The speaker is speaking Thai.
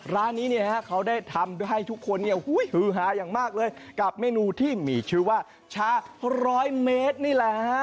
ร้านนี้เนี่ยฮะเขาได้ทำให้ทุกคนฮือฮาอย่างมากเลยกับเมนูที่มีชื่อว่าชาร้อยเมตรนี่แหละฮะ